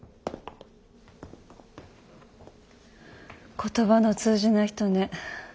言葉の通じない人ね。